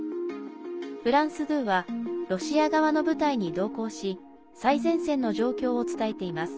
フランス２はロシア側の部隊に同行し最前線の状況を伝えています。